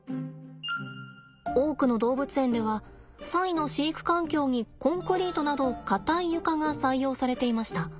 多くの動物園ではサイの飼育環境にコンクリートなど硬い床が採用されていました。